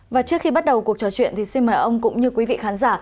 và trước khi bắt đầu cuộc trò chuyện thì xin mời ông cũng như quý vị khán giả